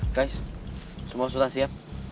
guys semua sudah siap